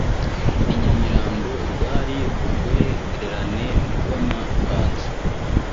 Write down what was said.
I Nyamirambo rwari urwererane rw’amakanzu